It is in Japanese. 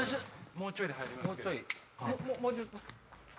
もうちょいで入ります。